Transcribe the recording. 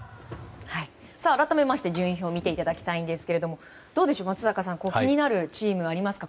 さあ、改めて順位表を見ていただきたいんですがどうでしょう、松坂さん気になるチームありますか？